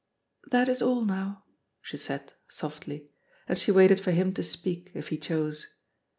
"That is all now," she said, softly; and she waited for him to speak if he chose.